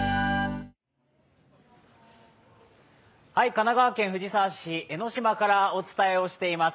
神奈川県藤沢市江の島からお伝えをしています。